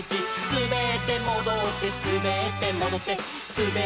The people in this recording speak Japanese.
「すべってもどってすべってもどって」